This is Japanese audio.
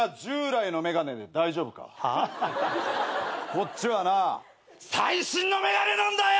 こっちはな最新の眼鏡なんだよ！